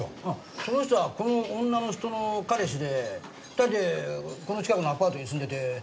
その人はこの女の人の彼氏で２人でこの近くのアパートに住んでて。